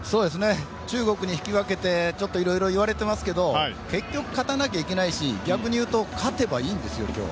中国に引き分けていろいろ言われていますが結局勝たないといけないし勝てばいいんですよ今日。